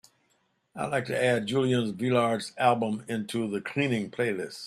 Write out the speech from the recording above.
I'd like to add Julian Velard's album onto the cleaning playlist.